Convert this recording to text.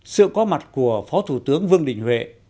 sự có mặt của phó thủ tướng vương đình huệ